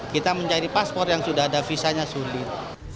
kita mencari paspor yang sudah ada visanya sulit